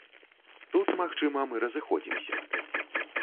Тут, магчыма, мы разыходзімся.